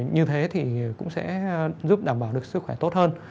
như thế thì cũng sẽ giúp đảm bảo được sức khỏe tốt hơn